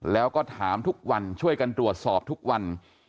แล้วก็ถามทุกวันช่วยกันตรวจสอบทุกวัน